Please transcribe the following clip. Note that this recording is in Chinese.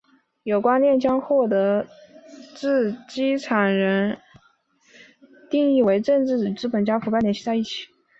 有观念将获得既得资产的人定义为政治资本家并与腐败联系在一起。